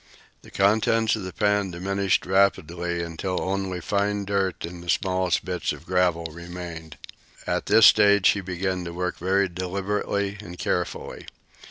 The contents of the pan diminished rapidly until only fine dirt and the smallest bits of gravel remained. At this stage he began to work very deliberately and carefully.